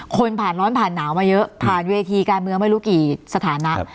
ผ่านร้อนผ่านหนาวมาเยอะผ่านเวทีการเมืองไม่รู้กี่สถานะ